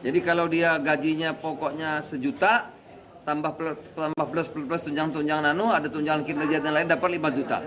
jadi kalau dia gajinya pokoknya sejuta tambah plus plus tunjangan tunjangan nano ada tunjangan kinerja dan lain dapat lima juta